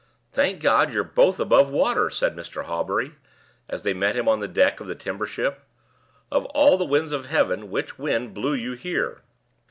"Thank God you're both above water!" said Mr. Hawbury, as they met him on the deck of the timber ship. "Of all the winds of heaven, which wind blew you here?"